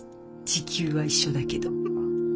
時給は一緒だけど。